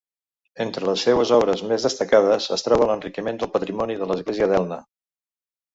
Entre les seues obres més destacades es troba l'enriquiment del patrimoni de l'església d'Elna.